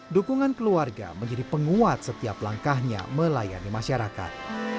dukungan keluarga menjadi penguat setiap langkahnya melayani masyarakat